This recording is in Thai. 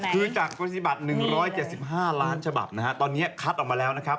คือจากปฏิบัติ๑๗๕ล้านฉบับนะฮะตอนนี้คัดออกมาแล้วนะครับ